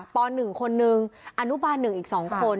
ป๑คนนึงอนุบาล๑อีก๒คน